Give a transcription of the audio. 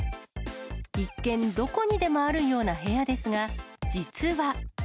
一見、どこにでもあるような部屋ですが、実は。